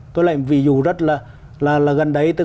tôi lại ví dụ rất là gần đấy